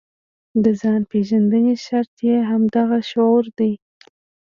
د ځان پېژندنې شرط یې همدغه شعور دی.